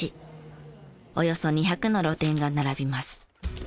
およそ２００の露店が並びます。